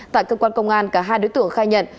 tại cơ quan công an cả hai đối tượng khai nhận